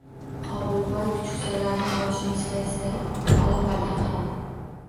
Qobilboy kuchukchaning boshini silay turib, Olaparga qaradi